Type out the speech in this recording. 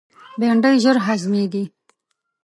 بېنډۍ ژر هضمیږي